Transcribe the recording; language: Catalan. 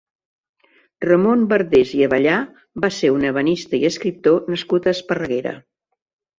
Ramon Bardés i Abellà va ser un ebenista i escriptor nascut a Esparreguera.